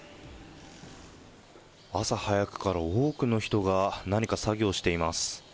朝早くから多くの人が何か作業しています。